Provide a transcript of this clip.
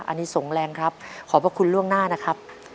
อันนี้สงแรงครับขอบพระคุณล่วงหน้านะครับ